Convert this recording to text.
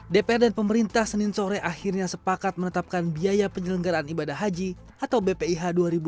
dpr dan pemerintah senin sore akhirnya sepakat menetapkan biaya penyelenggaraan ibadah haji atau bpih dua ribu dua puluh